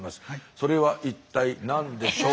それは一体何でしょう？